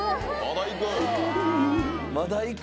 まだいく？